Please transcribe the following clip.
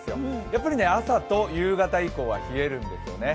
やっぱり朝と夕方以降は冷えるんですよね。